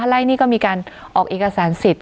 ไล่นี่ก็มีการออกเอกสารสิทธิ